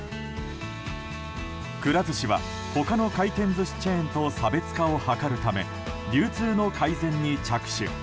くら寿司は他の回転寿司チェーンと差別化を図るため流通の改善に着手。